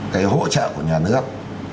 cái hỗ trợ của nhà nước